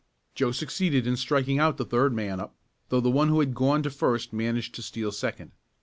Joe succeeded in striking out the third man up, though the one who had gone to first managed to steal second.